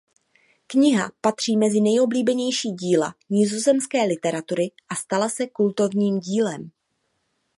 Kniha patří mezi nejoblíbenější díla nizozemské literatury a stala se kultovním dílem.